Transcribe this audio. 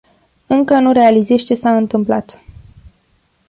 Încă nu realizez ce s-a întâmplat.